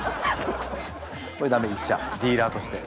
これダメ言っちゃディーラーとして。